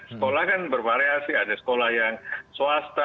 sekolah kan bervariasi ada sekolah yang swasta